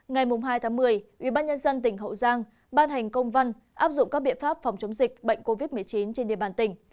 ngày hai tháng một mươi ubnd tỉnh hậu giang ban hành công văn áp dụng các biện pháp phòng chống dịch bệnh covid một mươi chín trên địa bàn tỉnh